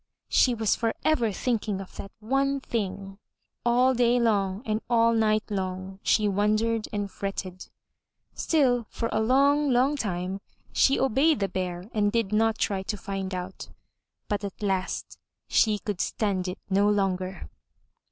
She was forever thinking of that one thing. All day long and all night long she wondered and fretted. Still for a long, long time she obeyed the Bear and did not try to find out. But at last she could stand it no longer.